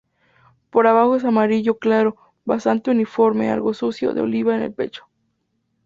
Por abajo es amarillo claro bastante uniforme algo sucio de oliva en el pecho.